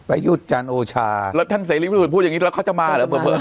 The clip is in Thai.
ไปยุดจันทร์โอชาแล้วท่านเศรษฐ์ลิงค์พี่สุดพูดอย่างงี้แล้วเขาจะมาเหรอเผลอเผลอ